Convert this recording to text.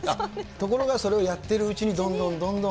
ところがそれをやってるうちに、どんどんどんどん？